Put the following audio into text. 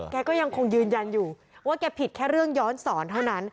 แกก็ยังคงยืนยันอยู่ว่าแกผิดแค่เรื่องย้อนสอนเท่านั้น